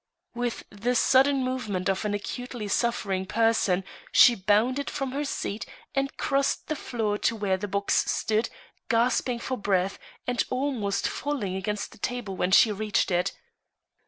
With the sudden movement of an acutely suffering person, she bounded from her seat and crossed the floor to where the box stood, gasping for breath, and almost falling against the table when she reached it.